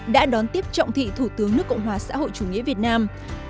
đã đón tiếp trọng thị thủ tướng nước cộng hòa xã hội chủ nghĩa việt nam